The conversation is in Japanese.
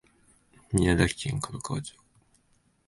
宮崎県門川町